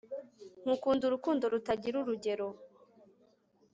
ngukunda urukundo rutagira urugero